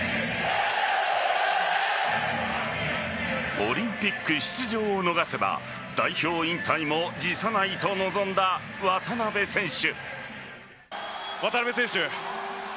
オリンピック出場を逃せば代表引退も辞さないと臨んだ渡邊選手。